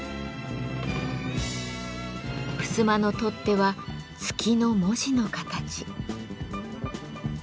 ふすまの取っ手は「月」の文字の形。